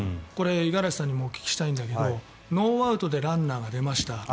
五十嵐さんにもお聞きしたいんだけどノーアウトでランナーが出ました。